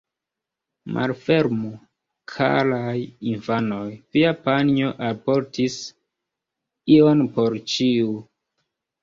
Malfermu, karaj infanoj, via panjo alportis ion por ĉiu.